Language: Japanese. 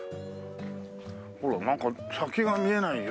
ほらなんか先が見えないよ。